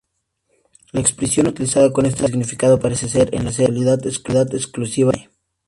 La expresión, utilizada con este significado, parece ser en la actualidad exclusiva de Maine.